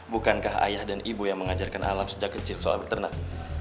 bukankah ayah dan ibu yang mengajarkan alam sejak kecil soal peternak